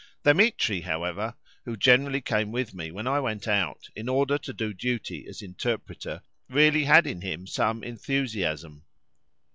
Dthemetri, however, who generally came with me when I went out, in order to do duty as interpreter, really had in him some enthusiasm.